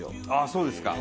そうですか。